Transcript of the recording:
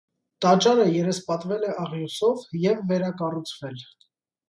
Տաճարը երեսպատվել է աղյուսով և վերնակառուցվել։